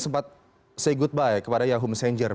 sempat say goodbye kepada yahoo messenger